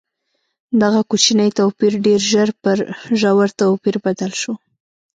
دغه کوچنی توپیر ډېر ژر پر ژور توپیر بدل شو.